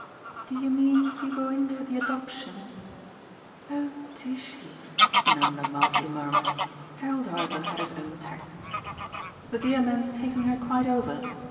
"Do you mean you go in for the adoption ?" "Oh Tishy!" Nanda mildly murmured. Harold, however, had his own tact. "The dear man's taking her quite over?